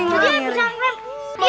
jadi berusaha rem